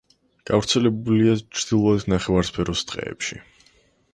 გავრცელებულია ჩრდილოეთ ნახევარსფეროს ტყეებში.